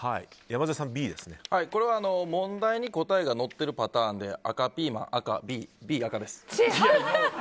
これは問題に答えが乗ってるパターンで赤ピーマン、赤、Ａです。